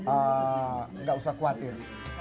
eee enggak usah khawatir